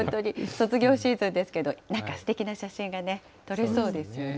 卒業シーズンですけど、なんかすてきな写真がね、撮れそうですよ